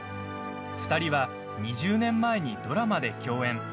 ２人は、２０年前にドラマで共演。